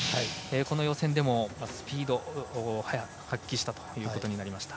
この予選でもスピードを発揮したことになりました。